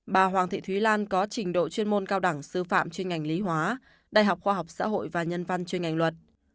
bà hoàng thị thúy lan có trình độ chuyên môn cao đẳng sư phạm chuyên ngành lý hóa đại học khoa học xã hội và nhân văn chuyên ngành luật